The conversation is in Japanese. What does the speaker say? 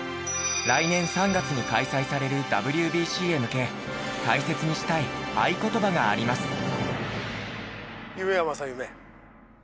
来年３月に開催されるＷＢＣへ向け大切にしたい愛ことばがあります。